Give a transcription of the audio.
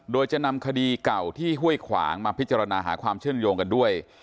โดยจะนำคดีเก่าที่ห้วยขวางมาพิจารณาหาความเชื่อมโยงกันด้วย